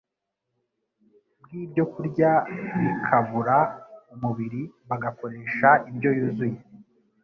bw’ibyokurya bikabura umubiri, bagakoresha indyo yuzuye,